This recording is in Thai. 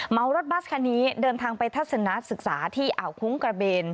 รถบัสคันนี้เดินทางไปทัศนาศึกษาที่อ่าวคุ้งกระเบน